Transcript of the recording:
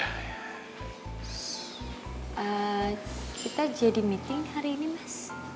kita jadi meeting hari ini mas